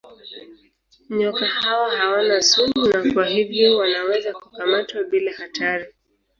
Nyoka hawa hawana sumu na kwa hivyo wanaweza kukamatwa bila hatari.